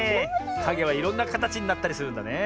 かげはいろんなかたちになったりするんだね。